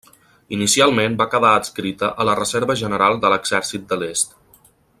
Inicialment va quedar adscrita a la reserva general de l'Exèrcit de l'Est.